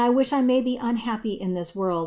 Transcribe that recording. th 1 may Ik* unha])py in this world p.